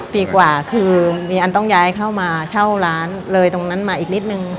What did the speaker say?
ปีกว่าคือมีอันต้องย้ายเข้ามาเช่าร้านเลยตรงนั้นมาอีกนิดนึง